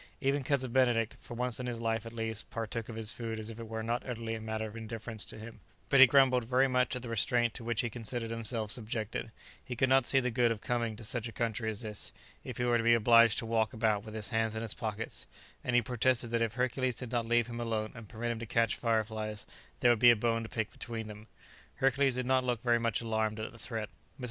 Even Cousin Benedict, for once in his life at least, partook of his food as if it were not utterly a matter of indifference to him; but he grumbled very much at the restraint to which he considered himself subjected; he could not see the good of coming to such a country as this, if he were to be obliged to walk about with his hands in his pockets; and he protested that if Hercules did not leave him alone and permit him to catch fire flies, there would be a bone to pick between them. Hercules did not look very much alarmed at the threat. Mrs.